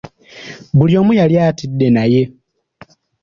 Buli omu yali atidde naye